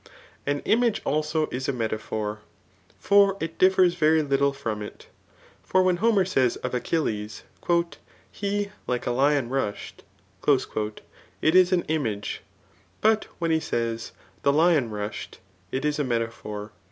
An image also is a metaphor ; for it differs very little from it. For when Homer says of Achilles, He like a lion rush'd, it is an image. But when he says, ike Hon ruA'd, it is a metaphor.